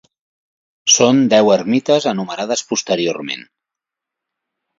Són deu ermites enumerades posteriorment.